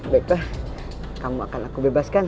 baiklah kamu akan aku bebaskan